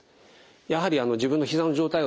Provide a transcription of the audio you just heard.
やはり自分のひざの状態をですね